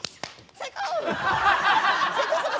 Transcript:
最高！